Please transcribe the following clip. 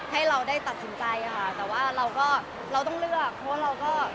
ให้เราได้ตัดสินใจค่ะแต่ว่าเราก็เราต้องเลือกเพราะว่าเราก็